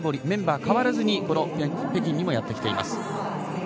メンバー変わらず、北京にやってきています。